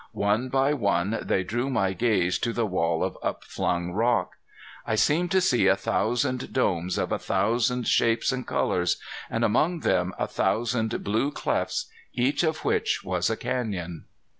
One by one they drew my gaze to the wall of upflung rock. I seemed to see a thousand domes of a thousand shapes and colors, and among them a thousand blue clefts, each of which was a canyon.